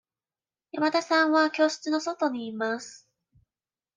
山田さんは教室の外にいます。